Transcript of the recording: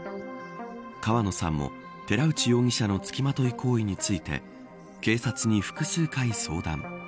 川野さんも、寺内容疑者のつきまとい行為について警察に複数回相談。